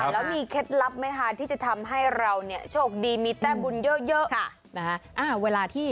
แล้วมีเคล็ดลับไหมคะที่จะทำให้เราเนี่ยโชคดีมีแต้มบุญเยอะนะคะ